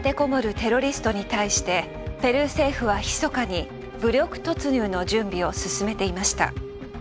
テロリストに対してペルー政府はひそかに武力突入の準備を進めていました。